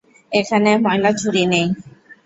এখানে ময়লার ঝুড়ি নেই?